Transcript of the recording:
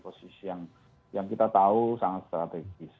posisi yang kita tahu sangat strategis